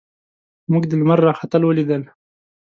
موږ د لمر راختل ولیدل.